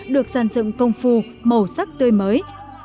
được sàn dựng công phu màu sắc tươi mới